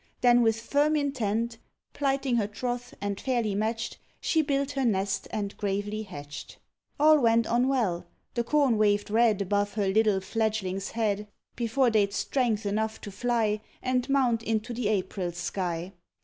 Then with firm intent Plighting her troth, and fairly matched, She built her nest and gravely hatched. All went on well, the corn waved red Above each little fledgling's head, Before they'd strength enough to fly, And mount into the April sky.